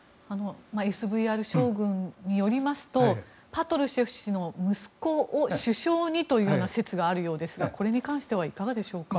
ＳＶＲ将軍によりますとパトルシェフ氏の息子を首相にというような説があるようですがこれに関してはいかがでしょうか。